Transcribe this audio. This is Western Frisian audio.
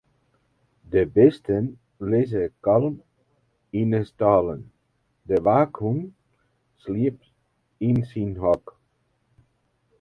De bisten lizze kalm yn 'e stâlen, de waakhûn sliept yn syn hok.